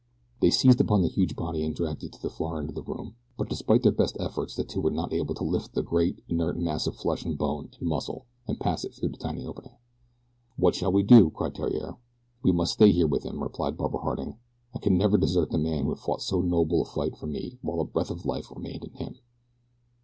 They seized upon the huge body and dragged it to the far end of the room, but despite their best efforts the two were not able to lift the great, inert mass of flesh and bone and muscle and pass it through the tiny opening. "What shall we do?" cried Theriere. "We must stay here with him," replied Barbara Harding. "I could never desert the man who has fought so noble a fight for me while a breath of life remained in him."